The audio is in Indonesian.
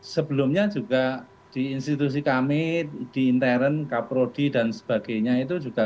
sebelumnya juga di institusi kami di intern kaprodi dan sebagainya itu juga